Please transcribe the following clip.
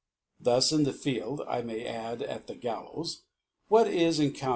Thus la * the Field (I may add, at the Gallows) * what is encoui.